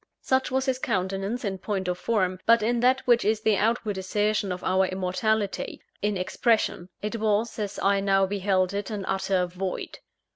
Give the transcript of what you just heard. Such was his countenance in point of form; but in that which is the outward assertion of our immortality in expression it was, as I now beheld it, an utter void.